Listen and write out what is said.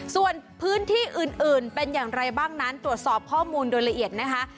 ส่วนพื้นที่อื่นเป็นอย่างไรบ้างนั้นตรวจสอบข้อมูลโดยละเอียดนะคะ